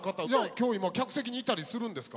今日今客席にいたりするんですか？